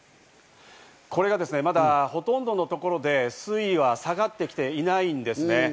これがですね、まだほとんどの所で水位は下がってきていないんですね。